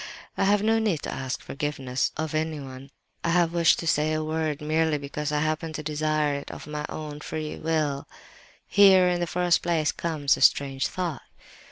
I have no need to ask forgiveness of anyone. I wish to say a word merely because I happen to desire it of my own free will. "Here, in the first place, comes a strange thought!